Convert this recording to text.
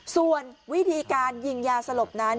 ส่วนวิธีการยิงยาสลบนั้น